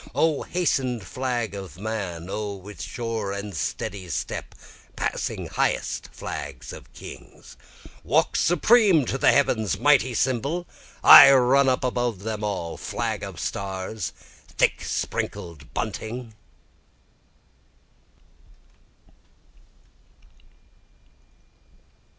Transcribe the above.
O hasten flag of man O with sure and steady step, passing highest flags of kings, Walk supreme to the heavens mighty symbol run up above them all, Flag of stars! thick sprinkled bunting!